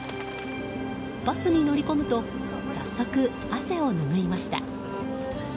バスに乗り込むと早速、汗をぬぐいました。